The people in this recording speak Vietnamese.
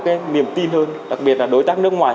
cái niềm tin hơn đặc biệt là đối tác nước ngoài